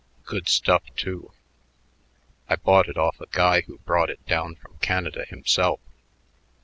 Good stuff, too. I bought it off a guy who brought it down from Canada himself.